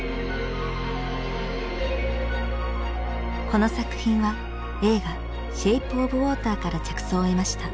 この作品は映画「シェイプ・オブ・ウォーター」から着想を得ました。